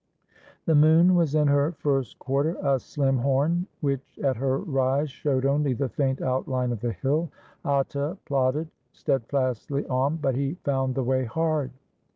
The moon was in her first quarter, a slim horn which at her rise showed only the faint outhne of the hill. Atta plodded steadfastly on, but he found the way hard.